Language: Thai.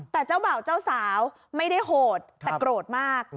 แต่เจ้าบ่าวเจ้าสาวไม่ได้โหดแต่โกรธมาก